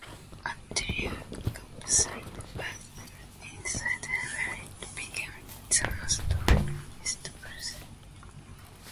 Anterior capsulotomy was developed in Sweden, where it became the most frequently used procedure.